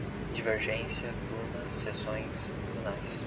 divergência, turmas, seções, tribunais